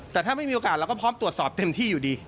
แต่ถ้าไม่มีโอกาสเราก็พร้อมตรวจสอบเต็มที่อยู่ดี